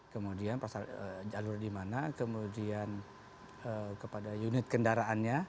kemudian jalur di mana kemudian kepada unit kendaraannya